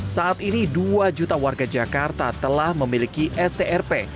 saat ini dua juta warga jakarta telah memiliki strp